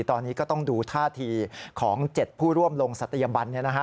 ตอนนี้ก็ต้องดูท่าทีของ๗ผู้ร่วมลงศัตยบัน